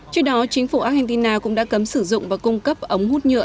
trước đó chính phủ argentina cũng đã cấm sử dụng và cung cấp ống hút nhựa